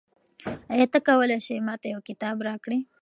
آیا ته کولای سې ما ته یو کتاب راکړې؟